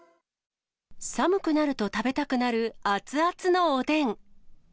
寒くなると食べたくなる熱々のおでん。